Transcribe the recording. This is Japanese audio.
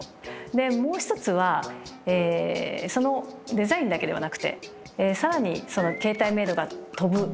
でもう一つはそのデザインだけではなくて更に携帯メールが飛ぶ。